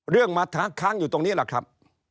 เรื่องมะทะค้างอยู่ตรงนี้แหละครับ